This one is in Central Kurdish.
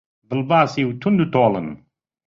بڵباسی و توند و تۆڵن